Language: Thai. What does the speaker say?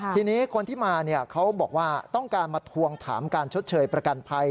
ทีนี้คนที่มาเขาบอกว่าต้องการมาทวงถามการชดเชยประกันภัย